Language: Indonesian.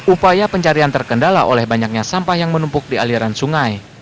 upaya pencarian terkendala oleh banyaknya sampah yang menumpuk di aliran sungai